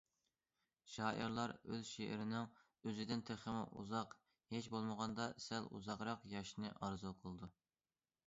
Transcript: شائىرلار ئۆز شېئىرىنىڭ ئۆزىدىن تېخىمۇ ئۇزاق، ھېچبولمىغاندا سەل ئۇزاقراق ياشىشىنى ئارزۇ قىلىدۇ.